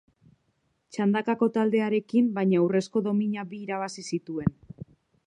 Txandakako taldearekin, baina, urrezko domina bi irabazi zituen.